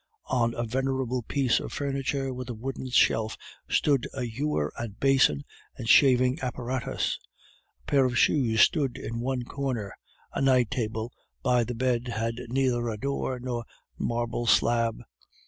On a venerable piece of furniture with a wooden shelf stood a ewer and basin and shaving apparatus. A pair of shoes stood in one corner; a night table by the bed had neither a door nor marble slab.